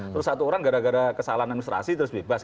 terus satu orang gara gara kesalahan administrasi terus bebas